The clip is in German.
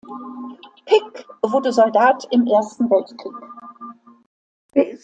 Pick wurde Soldat im Ersten Weltkrieg.